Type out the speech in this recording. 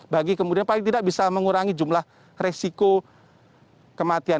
bagi kemudian paling tidak bisa mengurangi jumlah resiko kematian